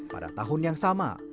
pada tahun yang sama